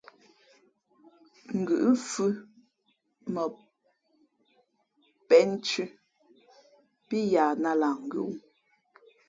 Ngʉ̌ʼ mfhʉ̄ mα peʼnthʉ̄ pí yahnāt lah ngʉ́ wū.